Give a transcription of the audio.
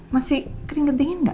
masih keringet dingin gak